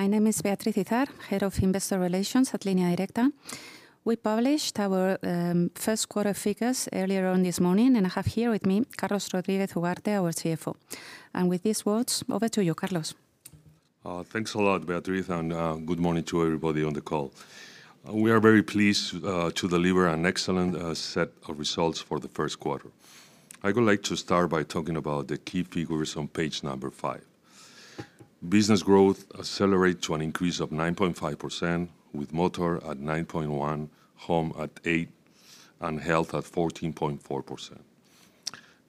Everyone, my name is Beatriz Izard, Head of Investor Relations at Línea Directa. We published our first quarter figures earlier on this morning, and I have here with me Carlos Rodriguez Ugarte, our CFO. With these words, over to you, Carlos. Thanks a lot, Beatriz, and good morning to everybody on the call. We are very pleased to deliver an excellent set of results for the first quarter. I would like to start by talking about the key figures on page number five. Business growth accelerated to an increase of 9.5%, with Motor at 9.1%, Home at 8%, and Health at 14.4%.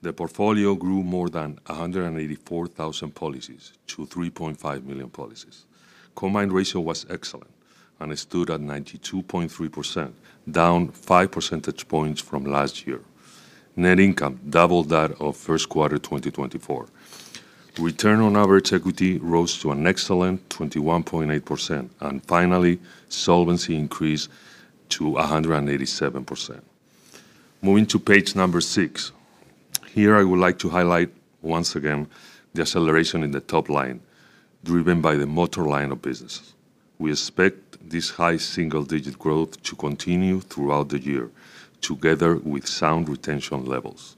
The portfolio grew more than 184,000 policies to 3.5 million policies. Combined ratio was excellent and stood at 92.3%, down 5 percentage points from last year. Net income doubled that of first quarter 2024. Return on average equity rose to an excellent 21.8%, and finally, solvency increased to 187%. Moving to page number six, here I would like to highlight once again the acceleration in the top line driven by the Motor line of businesses. We expect this high single-digit growth to continue throughout the year together with sound retention levels.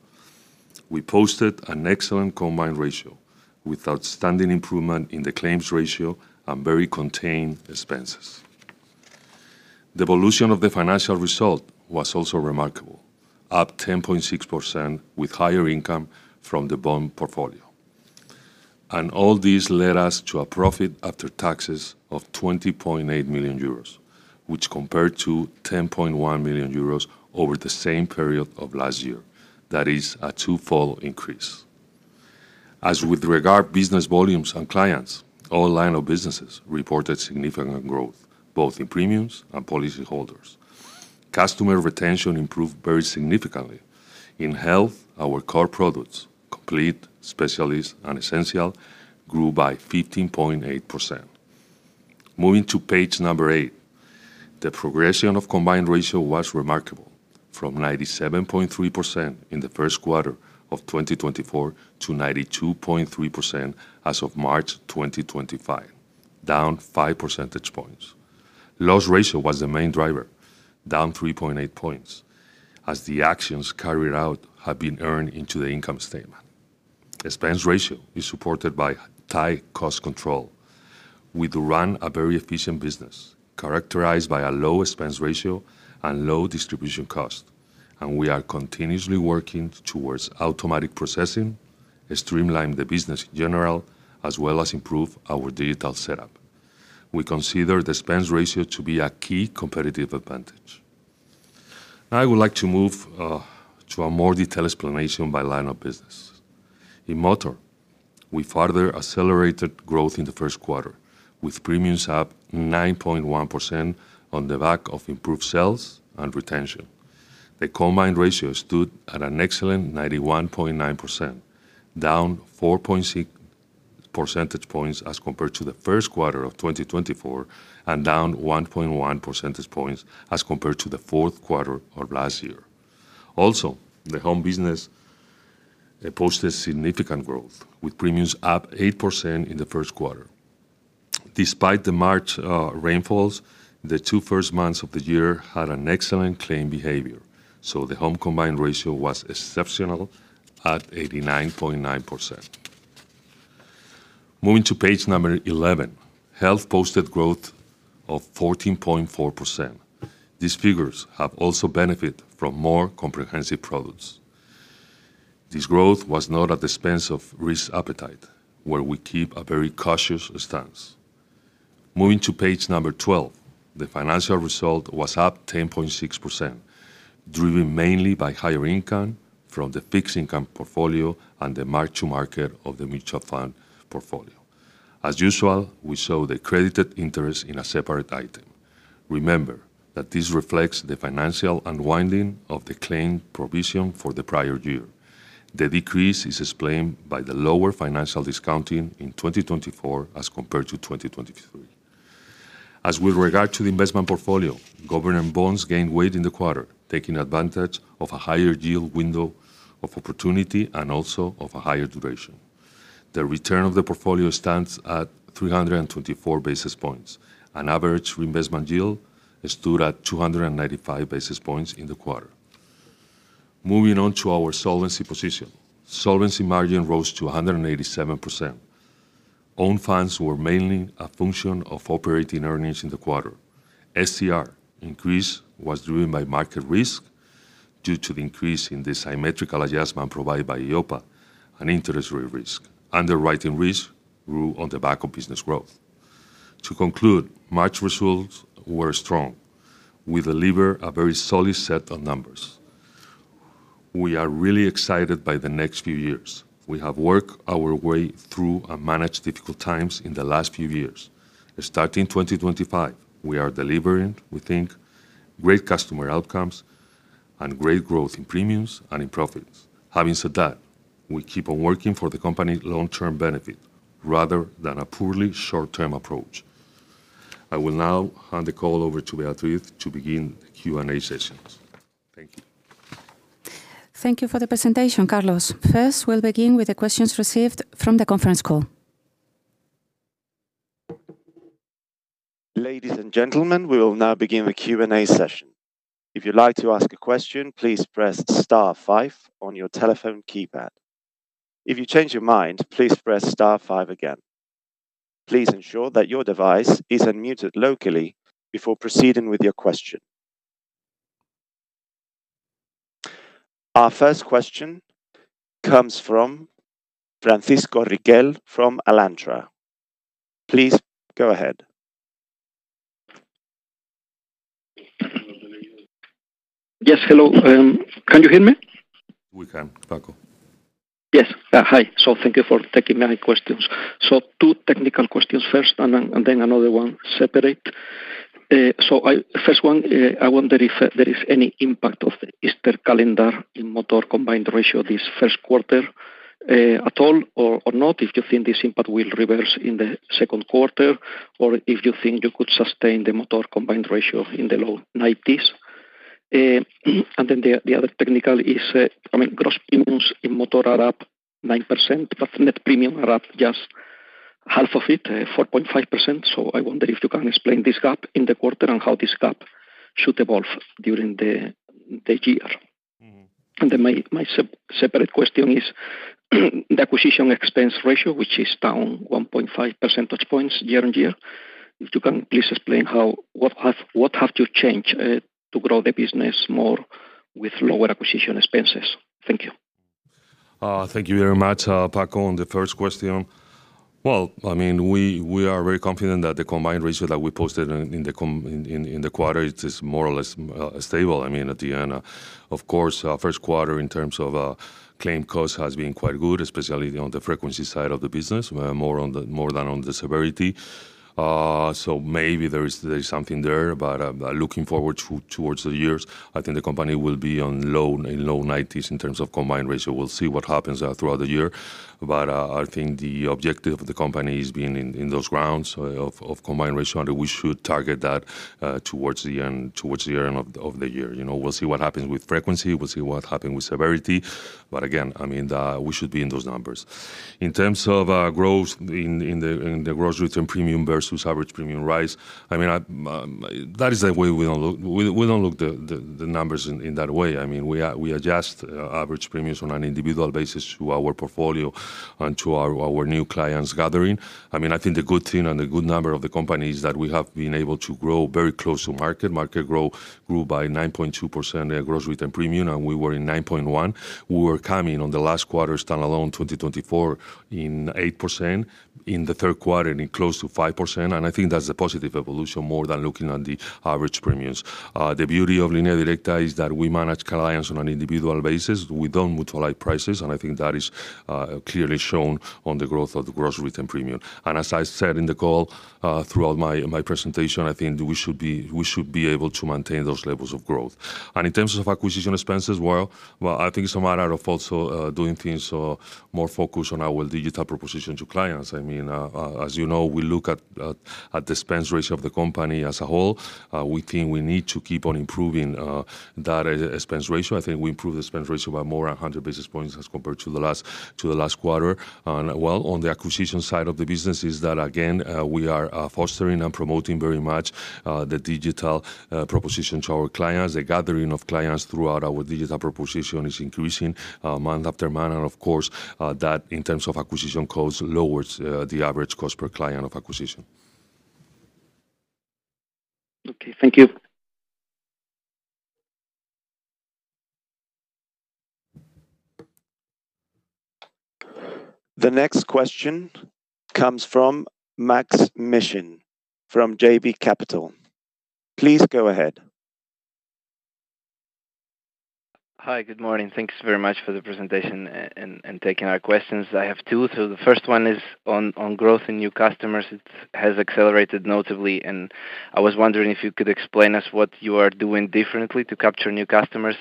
We posted an excellent combined ratio with outstanding improvement in the claims ratio and very contained expenses. The evolution of the financial result was also remarkable, up 10.6% with higher income from the bond portfolio. All this led us to a profit after taxes of 20.8 million euros, which compared to 10.1 million euros over the same period of last year. That is a twofold increase. With regard to business volumes and clients, all lines of business reported significant growth, both in premiums and policyholders. Customer retention improved very significantly. In health, our core products, Complete, Specialist, and Essential, grew by 15.8%. Moving to page number eight, the progression of combined ratio was remarkable, from 97.3% in the first quarter of 2024 to 92.3% as of March 2025, down 5 percentage points. Loss ratio was the main driver, down 3.8 percentage points, as the actions carried out have been earned into the income statement. Expense ratio is supported by tight cost control. We do run a very efficient business characterized by a low expense ratio and low distribution cost, and we are continuously working towards automatic processing, streamlining the business in general, as well as improving our digital setup. We consider the expense ratio to be a key competitive advantage. Now I would like to move to a more detailed explanation by line of business. In Motor, we further accelerated growth in the first quarter, with premiums up 9.1% on the back of improved sales and retention. The combined ratio stood at an excellent 91.9%, down 4.6 percentage points as compared to the first quarter of 2024, and down 1.1 percentage points as compared to the fourth quarter of last year. Also, the Home business posted significant growth, with premiums up 8% in the first quarter. Despite the March rainfalls, the two first months of the year had excellent claim behavior, so the home combined ratio was exceptional at 89.9%. Moving to page number 11, Health posted growth of 14.4%. These figures have also benefited from more comprehensive products. This growth was not at the expense of risk appetite, where we keep a very cautious stance. Moving to page number 12, the financial result was up 10.6%, driven mainly by higher income from the fixed income portfolio and the mark-to-market of the mutual fund portfolio. As usual, we show the credited interest in a separate item. Remember that this reflects the financial unwinding of the claim provision for the prior year. The decrease is explained by the lower financial discounting in 2024 as compared to 2023. As with regard to the investment portfolio, government bonds gained weight in the quarter, taking advantage of a higher yield window of opportunity and also of a higher duration. The return of the portfolio stands at 324 basis points. An average reinvestment yield stood at 295 basis points in the quarter. Moving on to our solvency position, solvency margin rose to 187%. Own funds were mainly a function of operating earnings in the quarter. SCR increase was driven by market risk due to the increase in the symmetrical adjustment provided by EIOPA and interest rate risk. Underwriting risk grew on the back of business growth. To conclude, March results were strong. We deliver a very solid set of numbers. We are really excited by the next few years. We have worked our way through and managed difficult times in the last few years. Starting 2025, we are delivering, we think, great customer outcomes and great growth in premiums and in profits. Having said that, we keep on working for the company's long-term benefit rather than a purely short-term approach. I will now hand the call over to Beatriz to begin the Q&A sessions. Thank you. Thank you for the presentation, Carlos. First, we'll begin with the questions received from the conference call. Ladies and gentlemen, we will now begin the Q&A session. If you'd like to ask a question, please press star five on your telephone keypad. If you change your mind, please press star five again. Please ensure that your device is unmuted locally before proceeding with your question. Our first question comes from Francisco Riquel from Alantra. Please go ahead. Yes, hello. Can you hear me? We can, Paco. Yes. Hi. Thank you for taking my questions. Two technical questions first and then another one separate. First, I wonder if there is any impact of the Easter calendar in Motor combined ratio this first quarter at all or not, if you think this impact will reverse in the second quarter, or if you think you could sustain the Motor combined ratio in the low 90s. The other technical is, I mean, gross premiums in Motor are up 9%, but net premium are up just half of it, 4.5%. I wonder if you can explain this gap in the quarter and how this gap should evolve during the year. My separate question is the acquisition expense ratio, which is down 1.5 percentage points year on year. If you can, please explain what have you changed to grow the business more with lower acquisition expenses. Thank you. Thank you very much, Paco, on the first question. I mean, we are very confident that the combined ratio that we posted in the quarter is more or less stable. I mean, at the end, of course, first quarter in terms of claim costs has been quite good, especially on the frequency side of the business, more than on the severity. Maybe there is something there, but looking forward towards the years, I think the company will be in low 90s in terms of combined ratio. We'll see what happens throughout the year. I think the objective of the company is being in those grounds of combined ratio, and we should target that towards the end of the year. We'll see what happens with frequency. We'll see what happens with severity. Again, I mean, we should be in those numbers. In terms of growth in the gross written premium versus average premium rise, I mean, that is the way we do not look at the numbers in that way. I mean, we adjust average premiums on an individual basis to our portfolio and to our new clients gathering. I mean, I think the good thing and the good number of the company is that we have been able to grow very close to market. Market growth grew by 9.2% gross written premium, and we were in 9.1%. We were coming on the last quarter standalone 2024 in 8%, in the third quarter in close to 5%. I think that is a positive evolution more than looking at the average premiums. The beauty of Línea Directa is that we manage clients on an individual basis. We do not mutualize prices, and I think that is clearly shown on the growth of the gross written premium. As I said in the call throughout my presentation, I think we should be able to maintain those levels of growth. In terms of acquisition expenses, I think it is a matter of also doing things more focused on our digital proposition to clients. I mean, as you know, we look at the expense ratio of the company as a whole. We think we need to keep on improving that expense ratio. I think we improved the expense ratio by more than 100 basis points as compared to the last quarter. On the acquisition side of the business, again, we are fostering and promoting very much the digital proposition to our clients. The gathering of clients throughout our digital proposition is increasing month after month. Of course, that in terms of acquisition costs lowers the average cost per client of acquisition. Okay, thank you. The next question comes from Maksym Mishyn from JB Capital. Please go ahead. Hi, good morning. Thanks very much for the presentation and taking our questions. I have two. The first one is on growth in new customers. It has accelerated notably. I was wondering if you could explain us what you are doing differently to capture new customers.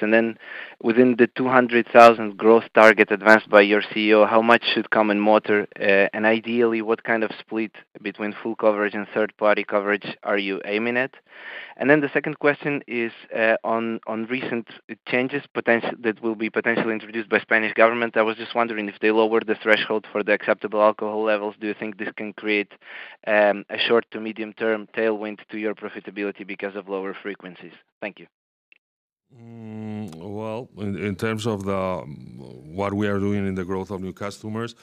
Within the 200,000 growth target advanced by your CEO, how much should come in Motor? Ideally, what kind of split between full coverage and third-party coverage are you aiming at? The second question is on recent changes that will be potentially introduced by the Spanish government. I was just wondering if they lowered the threshold for the acceptable alcohol levels. Do you think this can create a short to medium-term tailwind to your profitability because of lower frequencies? Thank you. In terms of what we are doing in the growth of new customers,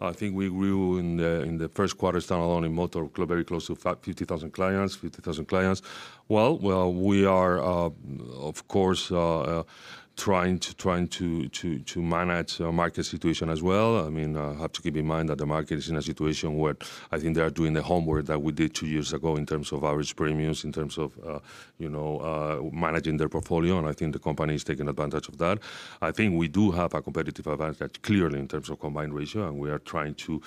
I think we grew in the first quarter standalone in Motor very close to 50,000 clients, 50,000 clients. We are, of course, trying to manage the market situation as well. I mean, I have to keep in mind that the market is in a situation where I think they are doing the homework that we did two years ago in terms of average premiums, in terms of managing their portfolio. I think the company is taking advantage of that. I think we do have a competitive advantage clearly in terms of combined ratio, and we are trying to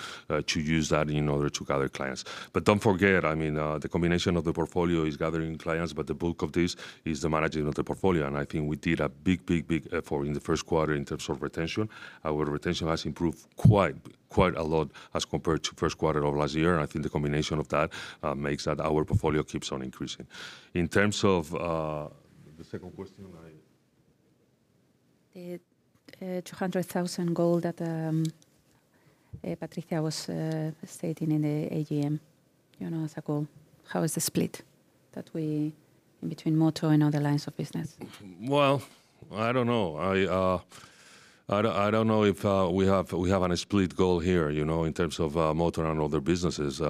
use that in order to gather clients. I mean, the combination of the portfolio is gathering clients, but the bulk of this is the managing of the portfolio. I think we did a big, big, big effort in the first quarter in terms of retention. Our retention has improved quite a lot as compared to the first quarter of last year. I think the combination of that makes that our portfolio keeps on increasing. In terms of the second question. The 200,000 goal that Patricia was stating in the AGM, as a goal, how is the split between Motor and other lines of business? I don't know. I don't know if we have a split goal here in terms of Motor and other businesses.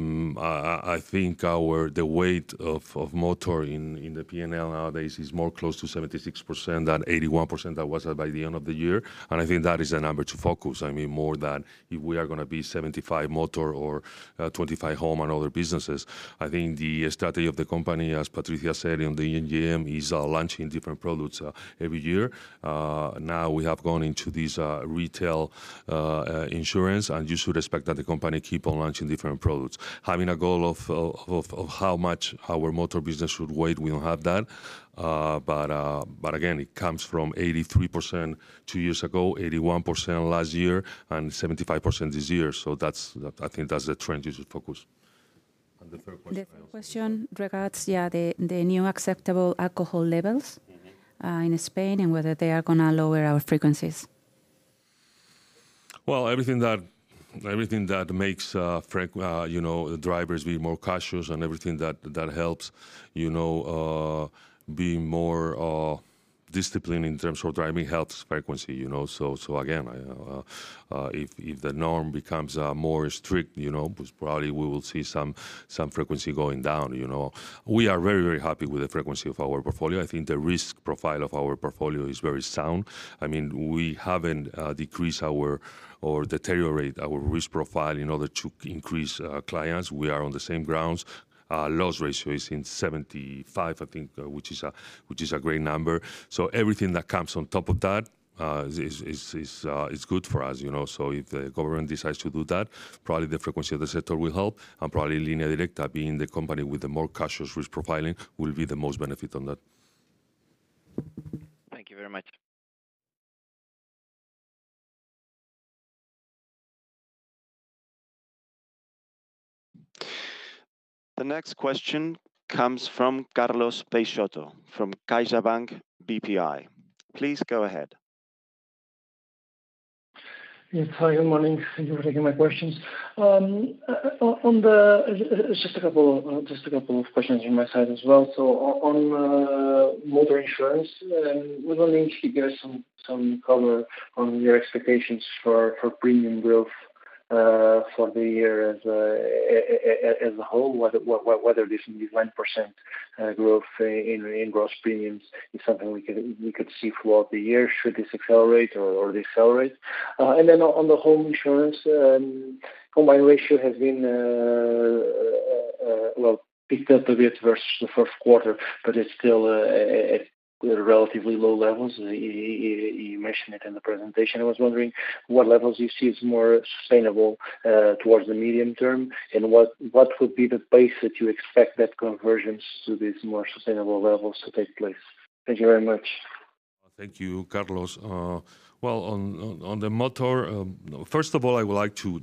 I think the weight of Motor in the P&L nowadays is more close to 76% than 81% that was by the end of the year. I think that is the number to focus. I mean, more than if we are going to be 75% Motor or 25% Home and other businesses. I think the strategy of the company, as Patricia said in the AGM, is launching different products every year. Now we have gone into this retail insurance, and you should expect that the company keeps on launching different products. Having a goal of how much our Motor business should weight, we don't have that. Again, it comes from 83% two years ago, 81% last year, and 75% this year. I think that's the trend you should focus on. The third question. The third question regards the new acceptable alcohol levels in Spain and whether they are going to lower our frequencies. Everything that makes the drivers be more cautious and everything that helps be more disciplined in terms of driving helps frequency. Again, if the norm becomes more strict, probably we will see some frequency going down. We are very, very happy with the frequency of our portfolio. I think the risk profile of our portfolio is very sound. I mean, we have not decreased or deteriorated our risk profile in order to increase clients. We are on the same grounds. Loss ratio is in 75%, I think, which is a great number. Everything that comes on top of that is good for us. If the government decides to do that, probably the frequency of the sector will help. Probably Línea Directa, being the company with the more cautious risk profiling, will be the most benefit on that. Thank you very much. The next question comes from Carlos Peixoto from CaixaBank BPI. Please go ahead. Yes, hi, good morning. Thank you for taking my questions. Just a couple of questions from my side as well. On Motor insurance, we are going to need you to give us some cover on your expectations for premium growth for the year as a whole, whether this 9% growth in gross premiums is something we could see throughout the year. Should this accelerate or decelerate? On the Home insurance, the combined ratio has been, actually, picked up a bit versus the first quarter, but it is still at relatively low levels. You mentioned it in the presentation. I was wondering what levels you see as more sustainable towards the medium term, and what would be the pace that you expect that convergence to these more sustainable levels to take place? Thank you very much. Thank you, Carlos. On the Motor, first of all, I would like to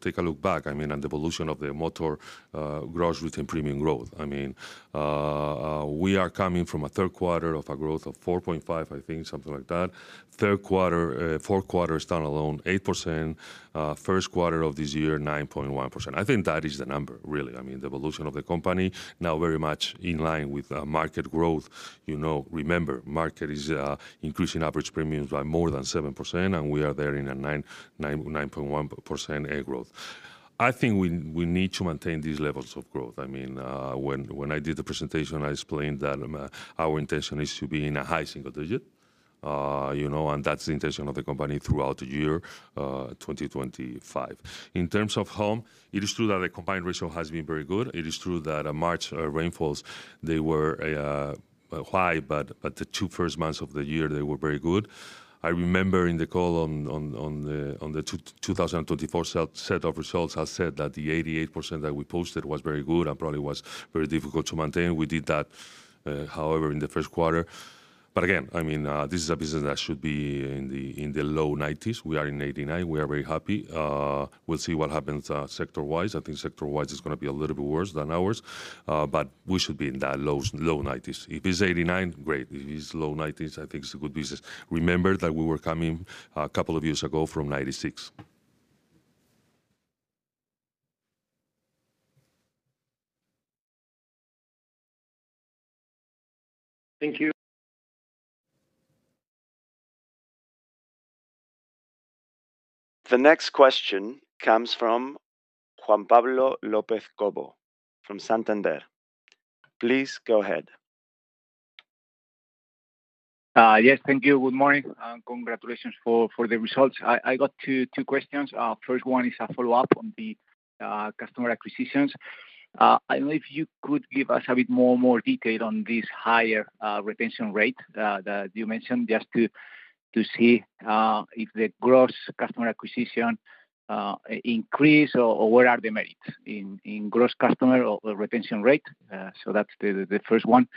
take a look back, I mean, at the evolution of the Motor gross return premium growth. I mean, we are coming from a third quarter of a growth of 4.5, I think, something like that. Fourth quarter standalone, 8%. First quarter of this year, 9.1%. I think that is the number, really. I mean, the evolution of the company now very much in line with market growth. Remember, market is increasing average premiums by more than 7%, and we are there in a 9.1% growth. I think we need to maintain these levels of growth. I mean, when I did the presentation, I explained that our intention is to be in a high single digit, and that's the intention of the company throughout the year 2025. In terms of home, it is true that the combined ratio has been very good. It is true that March rainfalls, they were high, but the two first months of the year, they were very good. I remember in the call on the 2024 set of results, I said that the 88% that we posted was very good and probably was very difficult to maintain. We did that, however, in the first quarter. Again, I mean, this is a business that should be in the low 90s. We are in 89%. We are very happy. We'll see what happens sector-wise. I think sector-wise, it's going to be a little bit worse than ours, but we should be in that low 90s. If it's 89%, great. If it's low 90s, I think it's a good business. Remember that we were coming a couple of years ago from 96. Thank you. The next question comes from Juan Pablo López Cobo from Santander. Please go ahead. Yes, thank you. Good morning and congratulations for the results. I got two questions. First one is a follow-up on the customer acquisitions. I don't know if you could give us a bit more detail on this higher retention rate that you mentioned just to see if the gross customer acquisition increased or what are the merits in gross customer or retention rate. That is the first one.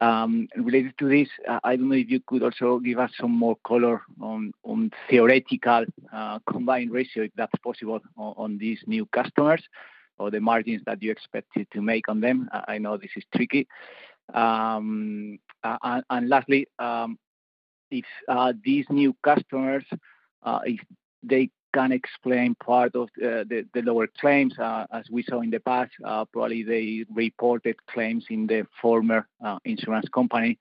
Related to this, I don't know if you could also give us some more color on theoretical combined ratio, if that is possible, on these new customers or the margins that you expect to make on them. I know this is tricky. Lastly, if these new customers, if they can explain part of the lower claims, as we saw in the past, probably they reported claims in the former insurance company,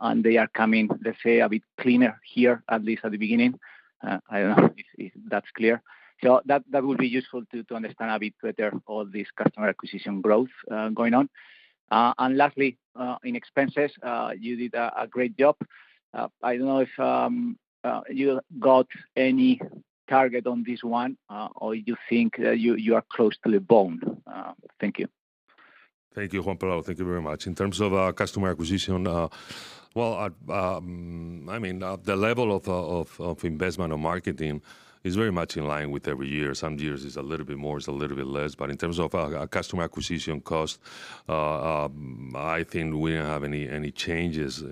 and they are coming, let's say, a bit cleaner here, at least at the beginning. I don't know if that's clear. That would be useful to understand a bit better all this customer acquisition growth going on. Lastly, in expenses, you did a great job. I don't know if you got any target on this one or you think you are close to the bone. Thank you. Thank you, Juan Pablo. Thank you very much. In terms of customer acquisition, I mean, the level of investment of marketing is very much in line with every year. Some years it's a little bit more, it's a little bit less. In terms of customer acquisition cost, I think we didn't have any changes,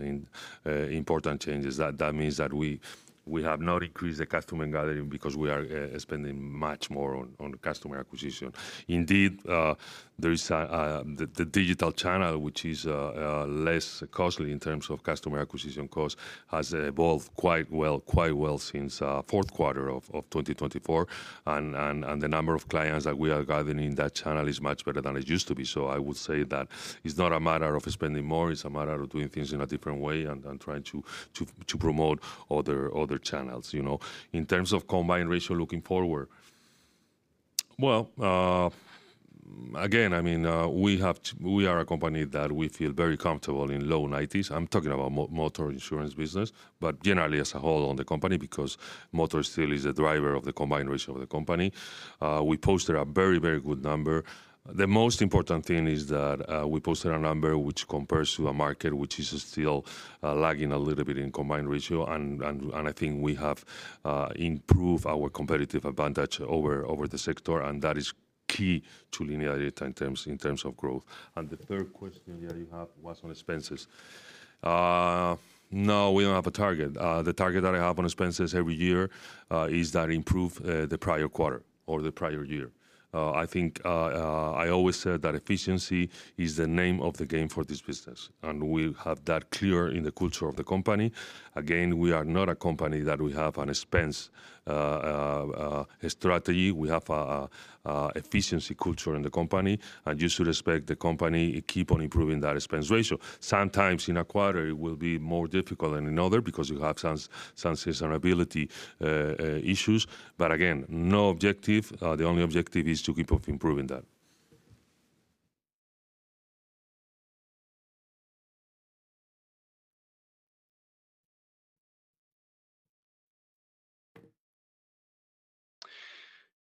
important changes. That means that we have not increased the customer gathering because we are spending much more on customer acquisition. Indeed, the digital channel, which is less costly in terms of customer acquisition cost, has evolved quite well since the fourth quarter of 2024. The number of clients that we are gathering in that channel is much better than it used to be. I would say that it's not a matter of spending more. It's a matter of doing things in a different way and trying to promote other channels. In terms of combined ratio looking forward, I mean, we are a company that we feel very comfortable in low 90s. I'm talking about Motor insurance business, but generally as a whole on the company because Motor still is the driver of the combined ratio of the company. We posted a very, very good number. The most important thing is that we posted a number which compares to a market which is still lagging a little bit in combined ratio. I think we have improved our competitive advantage over the sector, and that is key to Línea Directa in terms of growth. The third question that you have was on expenses. No, we don't have a target. The target that I have on expenses every year is that improve the prior quarter or the prior year. I think I always said that efficiency is the name of the game for this business, and we have that clear in the culture of the company. Again, we are not a company that we have an expense strategy. We have an efficiency culture in the company, and you should expect the company to keep on improving that expense ratio. Sometimes in a quarter, it will be more difficult than in another because you have some sense of ability issues. Again, no objective. The only objective is to keep on improving that.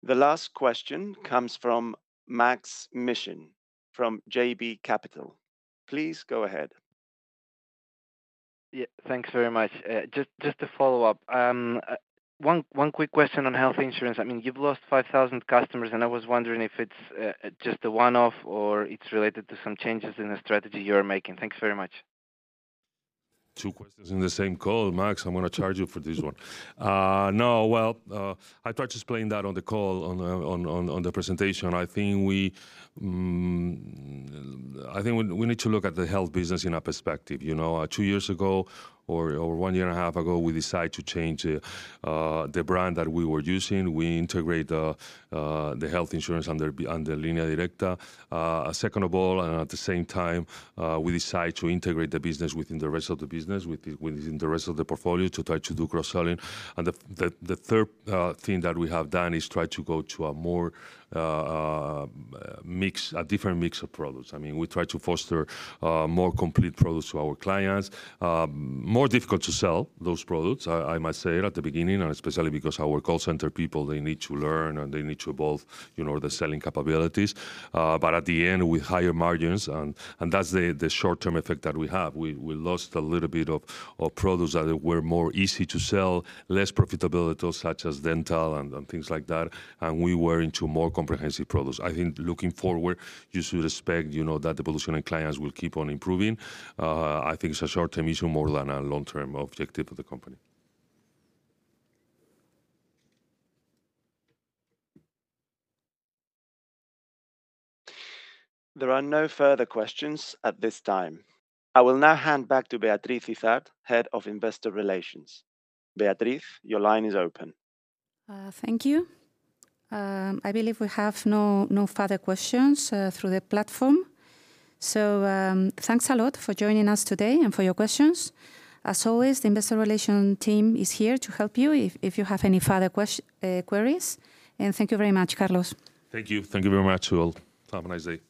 The last question comes from Maksym Mishyn from JB Capital. Please go ahead. Yeah, thanks very much. Just to follow up, one quick question on health insurance. I mean, you've lost 5,000 customers, and I was wondering if it's just a one-off or it's related to some changes in the strategy you are making. Thanks very much. Two questions in the same call. Maksym, I'm going to charge you for this one. No, I tried to explain that on the call, on the presentation. I think we need to look at the health business in a perspective. Two years ago or one year and a half ago, we decided to change the brand that we were using. We integrated the health insurance under Línea Directa. Second of all, and at the same time, we decided to integrate the business within the rest of the business, within the rest of the portfolio to try to do cross-selling. The third thing that we have done is try to go to a different mix of products. I mean, we try to foster more complete products to our clients. More difficult to sell those products, I must say, at the beginning, especially because our call center people, they need to learn and they need to evolve the selling capabilities. At the end, with higher margins, and that's the short-term effect that we have. We lost a little bit of products that were more easy to sell, less profitable, such as dental and things like that. We were into more comprehensive products. I think looking forward, you should expect that the evolution in clients will keep on improving. I think it's a short-term issue more than a long-term objective of the company. There are no further questions at this time. I will now hand back to Beatriz Izard, Head of Investor Relations. Beatriz, your line is open. Thank you. I believe we have no further questions through the platform. Thank you very much for joining us today and for your questions. As always, the Investor Relations team is here to help you if you have any further queries. Thank you very much, Carlos. Thank you. Thank you very much to all. Have a nice day.